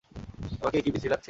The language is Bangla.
আমাকে কি বিশ্রী লাগছে?